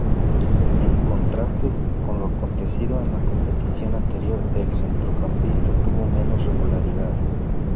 En contraste con lo acontecido en la competición anterior, el centrocampista tuvo menos regularidad.